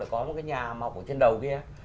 có một cái nhà mọc ở trên đầu kia